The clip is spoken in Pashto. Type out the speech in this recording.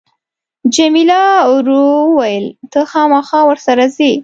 جميله ورو وویل ته خامخا ورسره ځې.